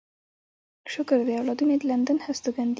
شکر دی اولادونه يې د لندن هستوګن دي.